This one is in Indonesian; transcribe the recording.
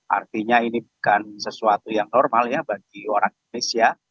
artinya ini bukan sesuatu yang normal ya bagi orang indonesia